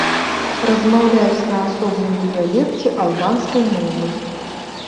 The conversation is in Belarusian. Размаўляюць на асобным дыялекце албанскай мовы.